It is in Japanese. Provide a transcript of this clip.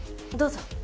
どうぞ。